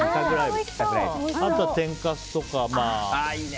あと、天かすとか。